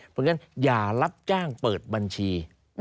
เพราะฉะนั้นอย่ารับจ้างเปิดบัญชี